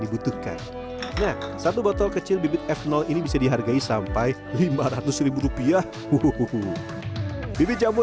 dipermerahkan satu botol kecil bibit es ini dihargai sampai lima ratus ribu rupiah uh di jamur